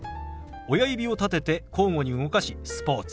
親指を立てて交互に動かし「スポーツ」。